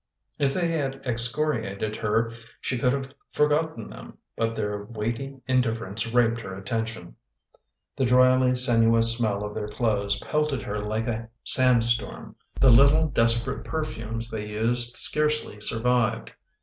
If they had excoriated her she could have forgotten them, but their weighty in difference raped her attention. The dryly sinuous smell of their clothes pelted her like a sandstorm: the little, desperate perfumes they used scarcely survived.